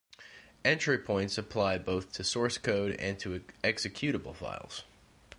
Entry points apply both to source code and to executable files.